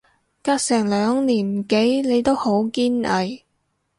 隔成兩年幾你都好堅毅